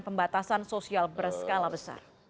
pembatasan sosial berskala besar